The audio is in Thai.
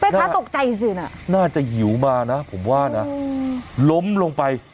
ตกใจสิน่ะน่าจะหิวมานะผมว่านะล้มลงไป